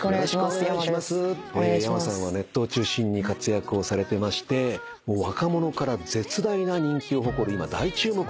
ｙａｍａさんはネットを中心に活躍をされてまして若者から絶大な人気を誇る今大注目のアーティストです。